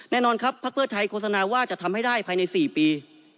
แน่นอนครับภักดิ์เพื่อไทยโฆษณาว่าจะทำให้ได้ภายใน๔ปี